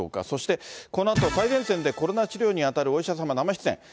そして、このあと最前線でコロナ治療に当たるお医者様、生出演。